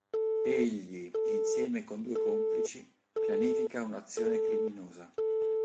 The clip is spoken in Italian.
Egli, insieme con due complici, pianifica un’azione criminosa.